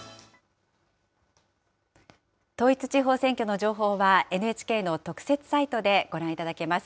統一地方選挙の情報は、ＮＨＫの特設サイトでご覧いただけます。